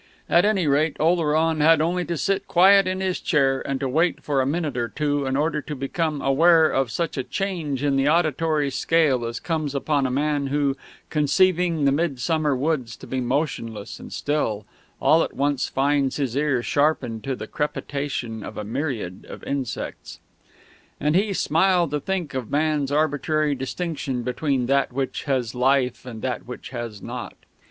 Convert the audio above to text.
At any rate, Oleron had only to sit quiet in his chair and to wait for a minute or two in order to become aware of such a change in the auditory scale as comes upon a man who, conceiving the midsummer woods to be motionless and still, all at once finds his ear sharpened to the crepitation of a myriad insects. And he smiled to think of man's arbitrary distinction between that which has life and that which has not.